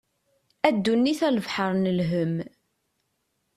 A ddunit a lebḥer n lhem.